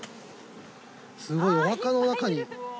すごいお墓の中に。